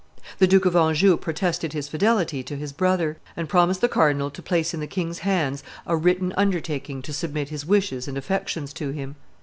The Duke of Anjou protested his fidelity to his brother, and promised the cardinal to place in the king's hands a written undertaking to submit his wishes and affections to him.